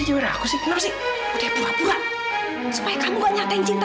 udah pura pura supaya kamu gak nyatain cinta